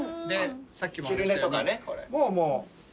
昼寝とかね。